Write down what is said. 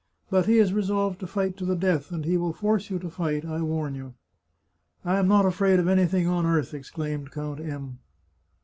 But he is resolved to fight to the death, and he will force you to fight, I warn you." " I am not afraid of anything on earth," exclaimed Count M